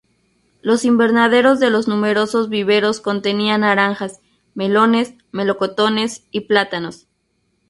Los invernaderos de los numerosos viveros contenían naranjas, melones, melocotones y plátanos.